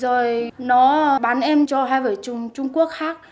rồi nó bán em cho hai vợ chồng trung quốc khác